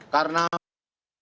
karena dia harus hidup